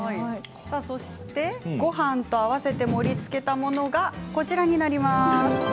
ごはんと合わせて盛りつけたものがこちらになります。